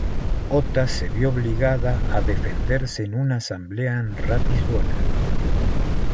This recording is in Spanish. Ota se vio obligada a defenderse en una asamblea en Ratisbona.